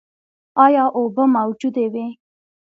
ایا اوبه موجودې وې؟